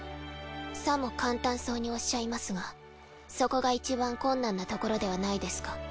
さも簡単そうにおっしゃいますがそこがいちばん困難なところではないですか。